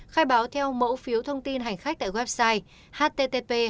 khai báo theo mẫu phiếu thông tin hành khách tại website http dsvn vn